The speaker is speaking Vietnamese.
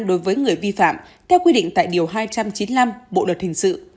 đối với người vi phạm theo quy định tại điều hai trăm chín mươi năm bộ luật hình sự